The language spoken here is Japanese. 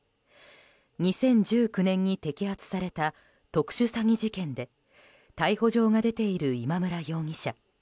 ２０１９年に摘発された特殊詐欺事件で逮捕状が出ている今村容疑者。